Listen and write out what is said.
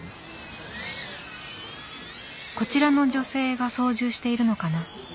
こちらの女性が操縦しているのかな。